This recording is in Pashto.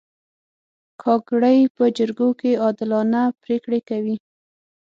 کاکړي په جرګو کې عادلانه پرېکړې کوي.